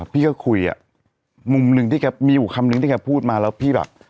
พี่ก็คุยอ่ะมุมหนึ่งที่แกมีอยู่คำนึงที่แกพูดมาแล้วพี่แบบ